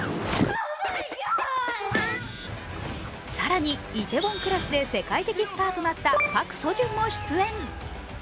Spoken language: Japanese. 更に「梨泰院クラス」で世界的スターとなったパク・ソジュンも出演。